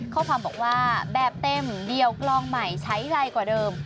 ข้อความบอกว่าแบบเต็มเดียวกลองใหม่ใช้ไรกว่าเดิม